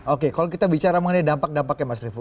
oke kalau kita bicara mengenai dampak dampaknya mas revo